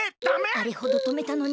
あれほどとめたのに。